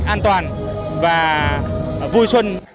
an toàn và vui xuân